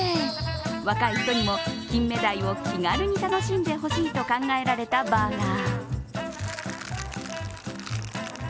若い人にもきんめだいを気軽に楽しんでほしいと考えられたバーガー。